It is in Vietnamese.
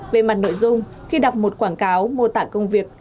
về mặt nội dung khi đọc một quảng cáo mô tả công việc